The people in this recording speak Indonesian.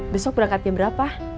besok berangkat jam berapa